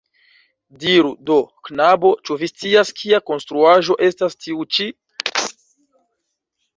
Diru do, knabo, ĉu vi scias kia konstruaĵo estas tiu ĉi?